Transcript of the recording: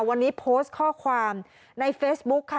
วันนี้โพสต์ข้อความในเฟซบุ๊คค่ะ